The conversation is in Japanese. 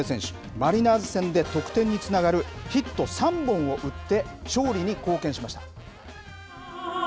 マリナーズ戦で得点につながるヒット３本を打って勝利に貢献しました。